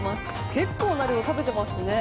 結構な量、食べてますね。